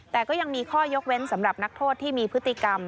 แต่ก็ยังมีข้อยกเว้นสำหรับนักโทษที่มีพฤติกรรม